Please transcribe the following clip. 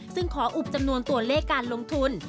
ซึ่งขออุบจำนวนตัวเลขการลงทุน